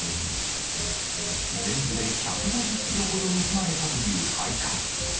全部で１５０キロほど盗まれたという配管。